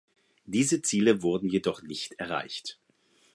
Diese Ziele wurde jedoch nicht erreicht.